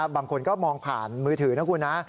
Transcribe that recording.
บางคนก็มองผ่านมือถือนะคุณนะ